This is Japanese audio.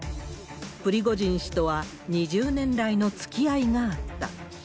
プリゴジン氏とは２０年来のつきあいがあった。